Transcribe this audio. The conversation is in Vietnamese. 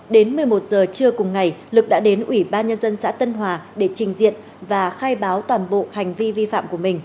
đến một mươi một giờ trưa cùng ngày lực đã đến ủy ban nhân dân xã tân hòa để trình diện và khai báo toàn bộ hành vi vi phạm của mình